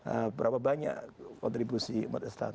untuk menjaga kontribusi umat islam